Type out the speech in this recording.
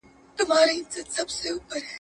سياست په تېرو پېړيو کې ډېر تغيیر وکړ.